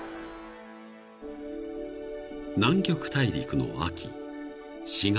［南極大陸の秋４月］